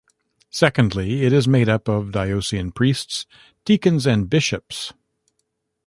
Secondly, it is made up of diocesan priests, deacons, and bishops.